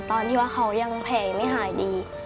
ตอนที่ว่าเขายังแพงไม่หายดี